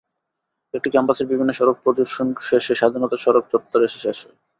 এটি ক্যাম্পাসের বিভিন্ন সড়ক প্রদক্ষিণ শেষে স্বাধীনতা স্মারক চত্বরে এসে শেষ হয়।